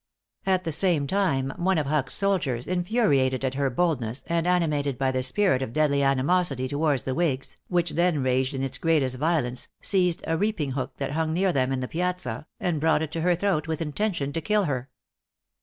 At the same time, one of Huck's soldiers, infuriated at her boldness, and animated by the spirit of deadly animosity towards the whigs which then raged in its greatest violence, seized a reaping hook that hung near them in the piazza, and brought it to her throat, with intention to kill her.